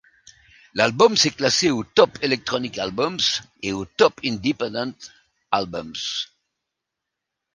L'album s'est classé au Top Electronic Albums et au Top Independent Albums.